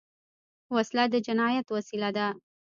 وسله د جنايت وسیله ده